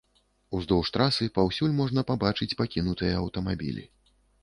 Уздоўж трасы паўсюль можна пабачыць пакінутыя аўтамабілі.